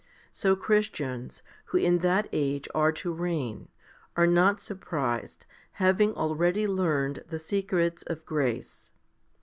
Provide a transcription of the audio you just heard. So Christians, who in that age are to reign, are not surprised, having already learned the secrets of grace.